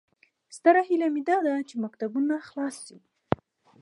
ستره هیله مې داده چې مکتبونه خلاص شي